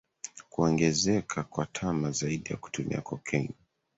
Kuongezeka kwa tama zaidi ya kutumia cocaine